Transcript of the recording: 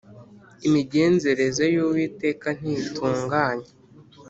Imigenzereze y’Uwiteka ntitunganye